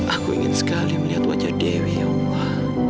aku ingin sekali melihat wajah dewi ya allah